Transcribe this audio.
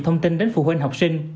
thông tin đến phụ huynh học sinh